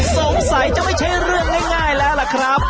สงสัยจะไม่ใช่เรื่องง่ายแล้วล่ะครับ